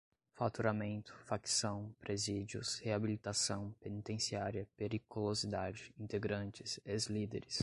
faturamento, facção, presídios, reabilitação, penitenciária, periculosidade, integrantes, ex-líderes